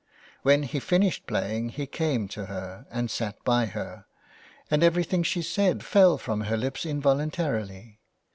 When he finished playing he came to her and sat by her, and everything she said fell from her lips involuntarily.